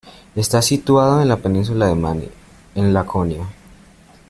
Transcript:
Está situado en la península de Mani, en Laconia.